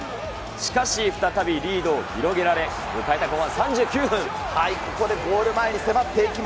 しかし再びリードを広げられ、迎えた後半３９分、ここでゴール前に迫っていき